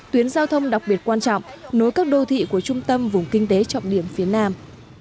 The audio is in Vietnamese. tuyến giao thông đặc biệt quan trọng nối các đô thị của trung tâm vùng kinh tế trọng điểm phía nam